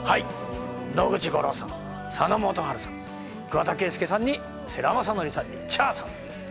野口五郎さん、佐野元春さん、桑田佳祐さんに世良公則さんにＣｈａｒさん。